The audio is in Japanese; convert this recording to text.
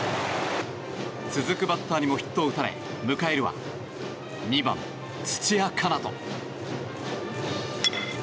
続くバッターにもヒットを打たれ迎えるは２番、土屋奏人。